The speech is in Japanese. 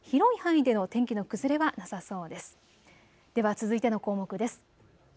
では続いての項目です。